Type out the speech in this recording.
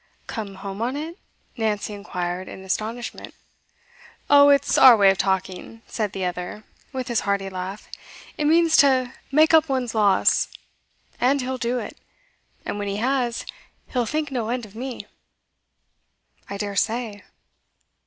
'Come home on it?' Nancy inquired, in astonishment. 'Oh, it's our way of talking,' said the other, with his hearty laugh. 'It means to make up one's loss. And he'll do it. And when he has, he'll think no end of me.' 'I daresay.